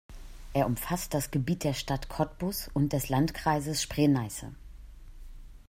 Er umfasst das Gebiet der Stadt Cottbus und des Landkreises Spree-Neiße.